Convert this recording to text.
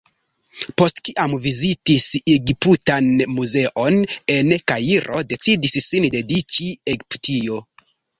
Post kiam vizitis Egiptan muzeon en Kairo decidis sin dediĉi al Egiptio.